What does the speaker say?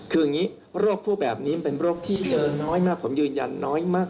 คืออย่างนี้รโยชน์ผู้แบบนี้เป็นรโยชน์ที่เจอน้อยมากผมยืนยันน้อยมาก